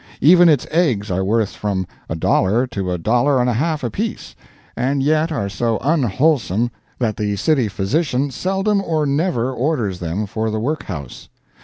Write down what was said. Even its eggs are worth from a dollar to a dollar and a half apiece, and yet are so unwholesome that the city physician seldom or never orders them for the workhouse.